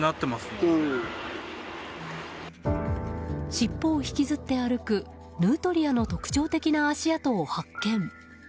尻尾を引きずって歩くヌートリアの特徴的な足跡を発見。